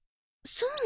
そう。